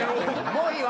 もういいわ！